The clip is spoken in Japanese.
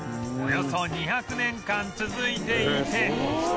およそ２００年間続いていて